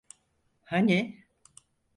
Hani…